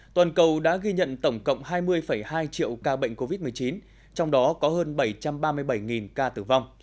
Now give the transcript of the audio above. toàn cầu đã ghi nhận tổng cộng hai mươi hai triệu ca bệnh covid một mươi chín trong đó có hơn bảy trăm ba mươi bảy ca tử vong